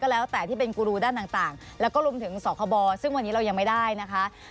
แล้วก็รุมถึงสคบซึ่งวันนี้เรายังไม่ได้นะคะ